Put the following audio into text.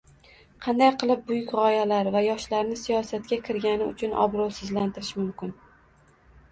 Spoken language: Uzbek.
Qanday qilib buyuk g'oyalar va yoshlarni siyosatga kirgani uchun obro'sizlantirish mumkin?